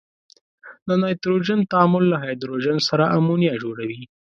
د نایتروجن تعامل له هایدروجن سره امونیا جوړوي.